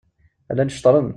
Llan ceṭṛen.